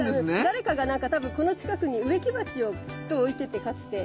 誰かがなんか多分この近くに植木鉢をきっと置いててかつて。は。